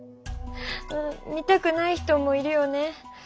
見たくない人もいるよね。